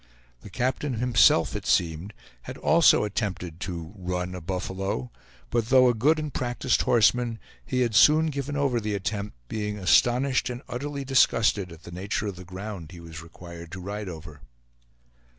The captain himself, it seemed, had also attempted to "run" a buffalo, but though a good and practiced horseman, he had soon given over the attempt, being astonished and utterly disgusted at the nature of the ground he was required to ride over.